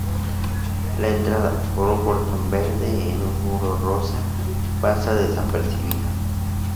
La entrada, por un portón verde en un muro rosa, pasa desapercibida.